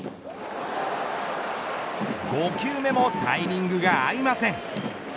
５球目もタイミングが合いません。